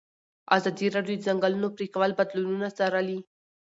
ازادي راډیو د د ځنګلونو پرېکول بدلونونه څارلي.